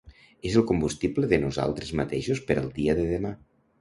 És el combustible de nosaltres mateixos per al dia de demà.